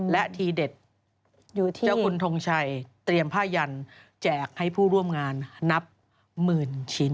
และทีเด็ดอยู่ที่เจ้าคุณทงชัยเตรียมผ้ายันแจกให้ผู้ร่วมงานนับหมื่นชิ้น